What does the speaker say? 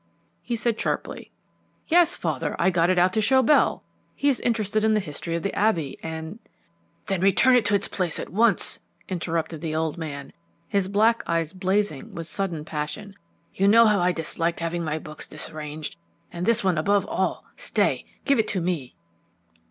he said sharply. "Yes, father; I got it out to show it to Bell. He is interested in the history of the Abbey, and " "Then return it to its place at once," interrupted the old man, his black eyes blazing with sudden passion. "You know how I dislike having my books disarranged, and this one above all. Stay, give it to me."